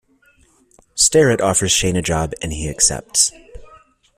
Starrett offers Shane a job, and he accepts.